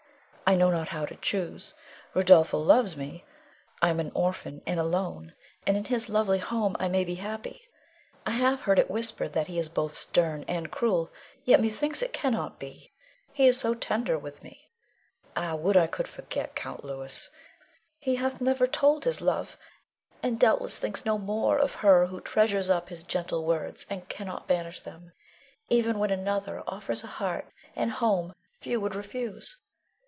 I know not how to choose. Rodolpho loves me: I am an orphan and alone, and in his lovely home I may be happy. I have heard it whispered that he is both stern and cruel, yet methinks it cannot be, he is so tender when with me. Ah, would I could forget Count Louis! He hath never told his love, and doubtless thinks no more of her who treasures up his gentle words, and cannot banish them, even when another offers a heart and home few would refuse.